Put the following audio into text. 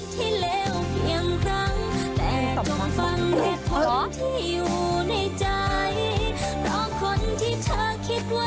เธอคิดว่าดีว่าใจอาจจะทั่วแล้ว